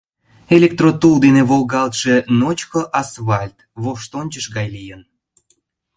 Электротул дене волгалтше ночко асфальт воштончыш гай лийын.